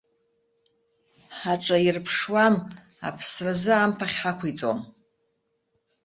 Ҳаҿаирԥшуам, аԥсразы амԥахь ҳақәиҵом!